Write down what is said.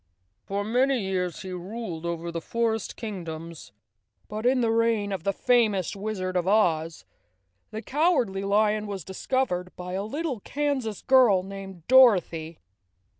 For many years he ruled over the forest kingdoms, but in the reign of the famous Wizard of Oz the Cowardly Lion was discovered by a little Kansas girl named Dorothy.